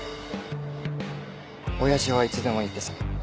親父はいつでもいいってさ。